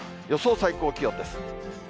予想最高気温です。